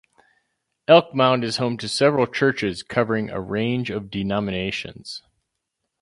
Elk Mound is home to several churches covering a range of denominations.